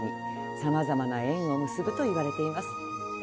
さまざまな縁を結ぶといわれています。